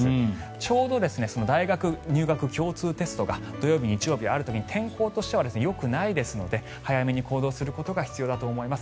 ちょうど大学入学共通テストが土曜日、日曜日にある時で天候としてはよくないですので早めに行動することが必要だと思います。